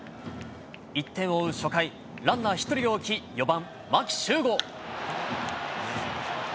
１点を追う初回、ランナー１人を置き、４番牧秀悟。